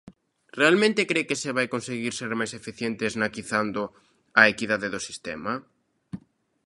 ¿Realmente cre que se vai conseguir ser máis eficiente esnaquizando a equidade do sistema?